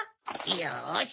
よし！